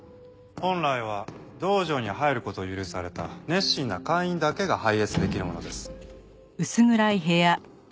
本来は道場に入る事を許された熱心な会員だけが拝謁できるものです。